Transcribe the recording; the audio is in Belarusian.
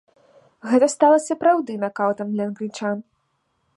Гэта стала сапраўдны накаўтам для англічан.